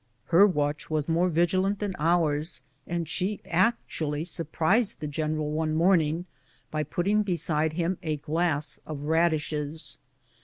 Her watch was more vigilant than ours, and she actually surprised the general one morning by putting beside him a glass of radishes.